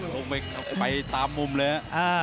ลงไปตามมุมเลยฮะ